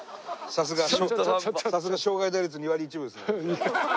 さすが生涯打率２割１分ですね。